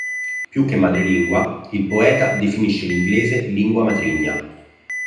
Più che madrelingua, il poeta definisce l'inglese lingua matrigna.